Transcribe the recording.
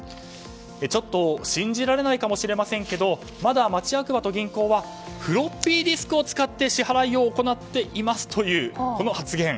ちょっと信じられないかもしれませんけどまだ町役場と銀行はフロッピーディスクを使って支払いを行っていますというこの発言。